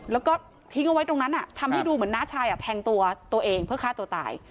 แล้วก็ทิ้งเอาไว้ตรงนั้นทำให้ดูเหมือนน้าชายแทงตัวเองเพื่อฆ่าตัวตาย